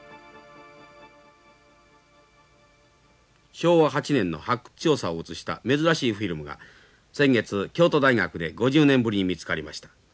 昭和８年の発掘調査を映した珍しいフィルムが先月京都大学で５０年ぶりに見つかりました。